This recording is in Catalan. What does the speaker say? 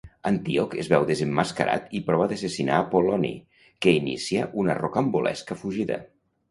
Antíoc es veu desemmascarat i prova d'assassinar Apol·loni, que inicia una rocambolesca fugida.